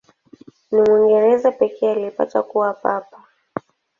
Ni Mwingereza pekee aliyepata kuwa Papa.